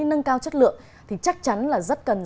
nâng cao chất lượng thì chắc chắn là rất cần